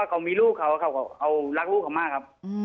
คุณเอกวีสนิทกับเจ้าแม็กซ์แค่ไหนคะ